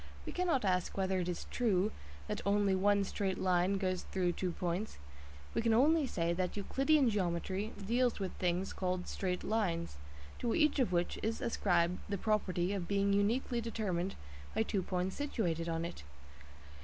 We cannot ask whether it is true that only one straight line goes through two points. We can only say that Euclidean geometry deals with things called "straight lines," to each of which is ascribed the property of being uniquely determined by two points situated on it.